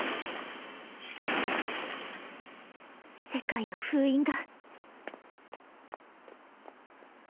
世界の封印が！